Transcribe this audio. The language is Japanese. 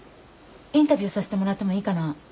インタビューさせてもらってもいいかな？